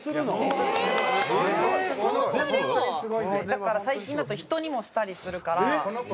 だから最近だと人にもしたりするから。